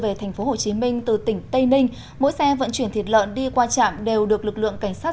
về tp hcm từ tỉnh tây ninh mỗi xe vận chuyển thịt lợn đi qua trạm đều được lực lượng cảnh sát